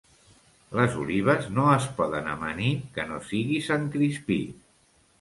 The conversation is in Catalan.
Les olives no es poden amanir que no sigui Sant Crispí.